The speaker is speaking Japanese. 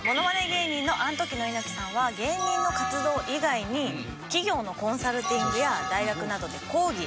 芸人のアントキの猪木さんは芸人の活動以外に企業のコンサルティングや大学などで講義。